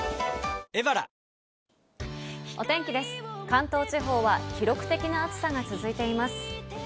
関東地方は記録的な暑さが続いています。